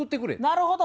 なるほど。